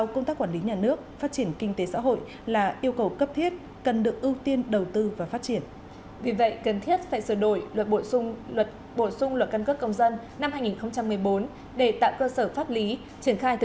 chương bốn tài khoản định danh điện tử